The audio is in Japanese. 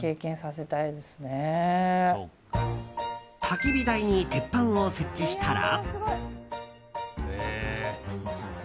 たき火台に鉄板を設置したら。